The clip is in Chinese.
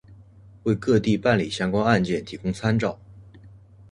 为各地办理相关案件提供参照